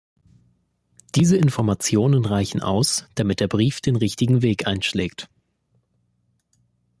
Diese Informationen reichen aus damit der Brief den richtigen Weg einschlägt.